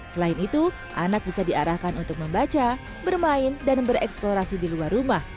selain itu anak bisa diarahkan untuk membaca bermain dan bereksplorasi di luar rumah